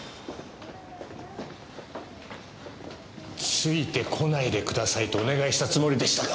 ついてこないでくださいとお願いしたつもりでしたが。